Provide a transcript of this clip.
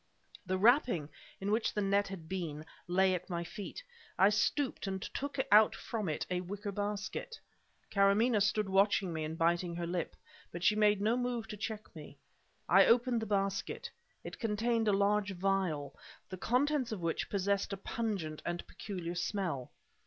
The wrapping, in which the net had been, lay at my feet. I stooped and took out from it a wicker basket. Karamaneh stood watching me and biting her lip, but she made no move to check me. I opened the basket. It contained a large phial, the contents of which possessed a pungent and peculiar smell.